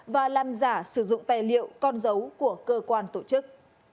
và làm giả sử dụng tài liệu con dấu của cơ quan tổ chức